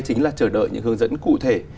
chính là chờ đợi những hướng dẫn cụ thể